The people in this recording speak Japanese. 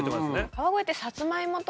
川越って。